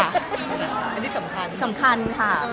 อันนี้สำคัญค่ะ